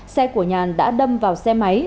xe của nhàn đã đâm vào xe máy